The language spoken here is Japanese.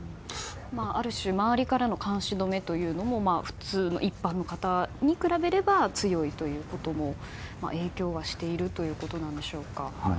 ある種周りからの監視の目というのも普通の一般の方に比べれば強いということも影響はしているということでしょうか。